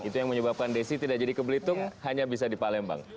itu yang menyebabkan desi tidak jadi ke belitung hanya bisa di palembang